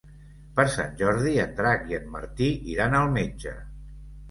Per Sant Jordi en Drac i en Martí iran al metge.